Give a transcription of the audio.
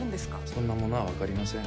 そんなものは分かりません。